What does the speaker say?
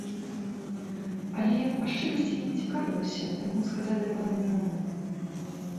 Але, па шчырасці, я не цікавіўся, таму сказаць дакладна не магу.